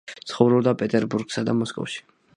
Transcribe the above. ცხოვრობდა პეტერბურგსა და მოსკოვში.